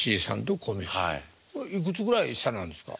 いくつぐらい下なんですか？